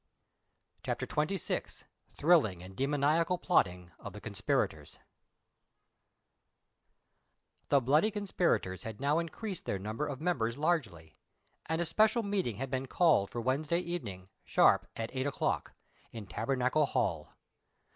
CHAPTER XXyi. MOST THRILLIXG AND DE3I0XIACAL PLOTTING OF THE CONSPIRATORS, [jHE bloody conspirators had now increased their number of members largely, and a special meet ing had been called for "Wednesday evening, sharp, at eight o'clock, in Tabernacle Hall.